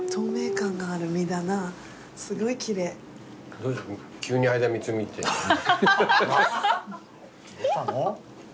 どうしたの？